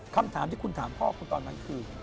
คำถามที่คุณถามพ่อคุณตอนนั้นคือ